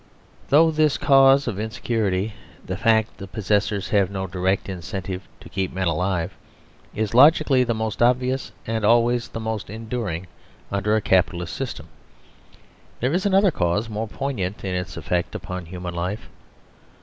Though this cause of insecurity the fact that the possessors have no direct incentive to keep men alive is logically the most obvious, and always the most enduring under a Capitalist system, there is another cause more poignant in its effect upon human life.